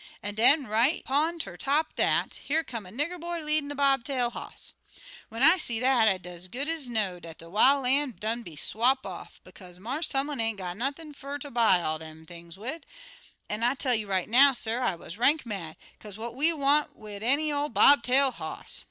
An den, right 'pon top er dat, here come a nigger boy leadin' a bob tail hoss. When I see dat, I dez good ez know'd dat de wil' lan' done been swap off, bekaze Marse Tumlin ain't got nothin' fer ter buy all dem things wid, an' I tell you right now, suh, I wuz rank mad, kase what we want wid any ol' bob tail hoss?